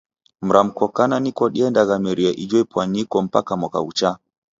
Mramko kana niko diendaghameria ijo ipwanyiko mpaka mwaka ghuchaa.